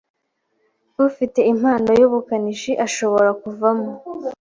ufite impano yubukanishi ashobora kuvamo